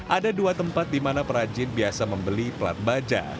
ada dua tempat di mana perajin biasa membeli pelat baja